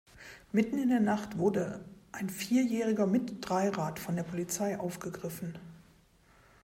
Mitten in der Nacht wurde ein Vierjähriger mit Dreirad von der Polizei aufgegriffen.